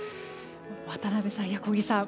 渡辺さん、小木さん